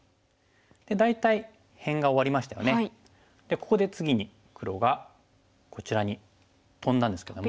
ここで次に黒がこちらにトンだんですけども。